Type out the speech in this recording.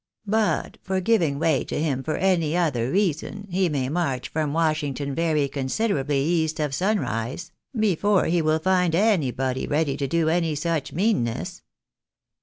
But for giving way to him for any other reason, he may march from Washington very considerably east of sunrise, before he will find anybody ready to do any such meanness.